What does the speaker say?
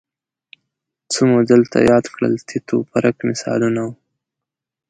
څه مو دلته یاد کړل تیت و پرک مثالونه وو